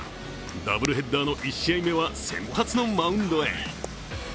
ダブルヘッダーの１試合目は先発のマウンドへ。